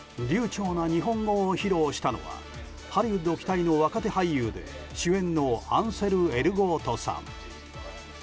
流暢な日本語を披露したのはハリウッド期待の若手俳優で主演のアンセル・エルゴートさん。